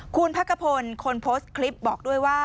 คุณพักกะพลคนโพสต์คลิปบอกด้วยว่า